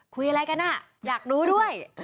คุยอะไรกันอ่ะอยากรู้ด้วย